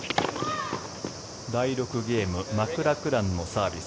第６ゲームマクラクランのサービス。